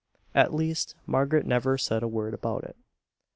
At least, Margaret never said a word about it.